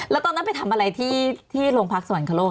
แล้วตอนนั้นไปทำอะไรที่โรงพักสวรรคโลก